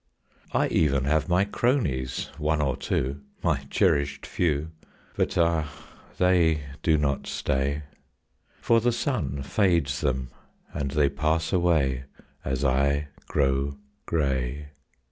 I even have my cronies, one or two, My cherished few. But ah, they do not stay! For the sun fades them and they pass away, As I grow gray.